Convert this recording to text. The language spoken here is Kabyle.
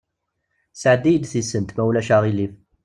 Sɛeddi-yi-d tisent, ma ulac aɣilif?